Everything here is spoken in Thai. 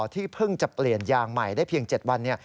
ที่เพิ่งจะเปลี่ยนยางใหม่ได้เพียง๗วัน